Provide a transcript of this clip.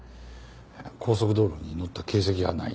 高速道路にのった形跡はない。